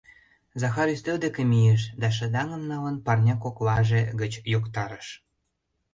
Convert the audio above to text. Захар ӱстел деке мийыш да шыдаҥым налын парня коклаже гыч йоктарыш: